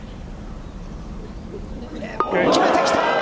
決めてきた。